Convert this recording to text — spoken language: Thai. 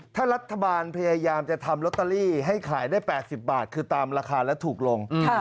ถ้ารัฐบาลพยายามจะทำลอตเตอรี่ให้ขายได้๘๐บาทคือตามราคาและถูกลง